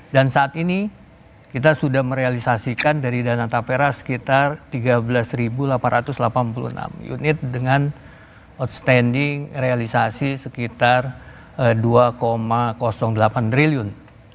dan saat ini kita sudah merealisasikan dari dana tapra sekitar tiga belas delapan ratus delapan puluh enam unit dengan outstanding realisasi sekitar dua delapan triliun